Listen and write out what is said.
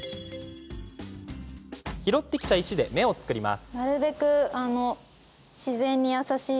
拾ってきた石で、目を作ります。